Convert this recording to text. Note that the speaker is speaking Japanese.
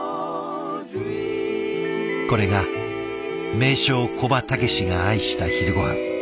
これが名将古葉竹識が愛した昼ごはん。